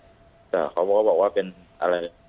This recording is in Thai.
แต่เขาพูดว่าโบ่ว่านี้เป็นอะไร